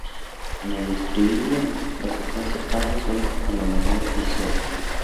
En el estribillo, la secuencia cambia solo a la menor y sol.